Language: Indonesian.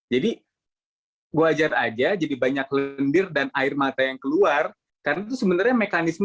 jadi wajar aja jadi banyak lendir dan air mata yang keluar karena tu sebenarnya mekanisme